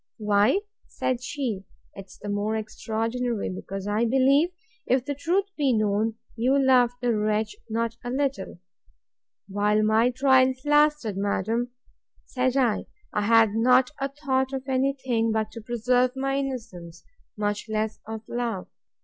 Why, said she, 'tis the more extraordinary, because I believe, if the truth was known, you loved the wretch not a little. While my trials lasted, madam, said I, I had not a thought of any thing, but to preserve my innocence, much less of love.